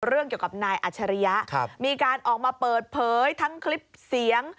เรื่องเกี่ยวกับนายอัจฉริยะมีการออกมาเปิดเผยทั้งคลิปเสียง